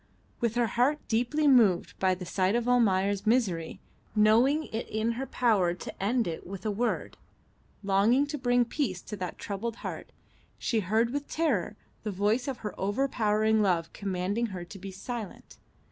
With her heart deeply moved by the sight of Almayer's misery, knowing it in her power to end it with a word, longing to bring peace to that troubled heart, she heard with terror the voice of her overpowering love commanding her to be silent.